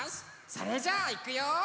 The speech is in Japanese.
それじゃあいくよ！